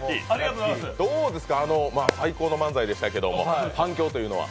どうですか、最高の漫才でしたけれども、反響というのは？